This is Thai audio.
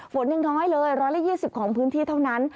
ยังน้อยเลย๑๒๐ของพื้นที่เท่านั้น